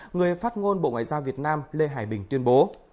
người phát ngôn bộ ngoại giao việt nam lê hải bình tuyên bố